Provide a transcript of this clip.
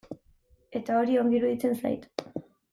Eta hori ongi iruditzen zait.